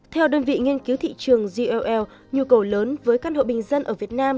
theo đơn vị nghiên cứu thị trường gll nhu cầu lớn với căn hộ bình dân ở việt nam